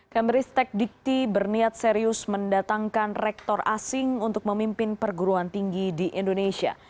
kemenristek dikti berniat serius mendatangkan rektor asing untuk memimpin perguruan tinggi di indonesia